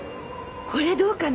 これどうかな？